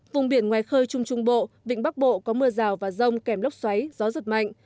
vùng biển ngoài khơi trung trung bộ vịnh bắc bộ có mưa rào và rông kèm lốc xoáy gió giật mạnh